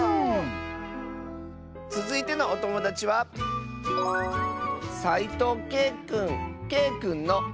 つづいてのおともだちはけいくんの。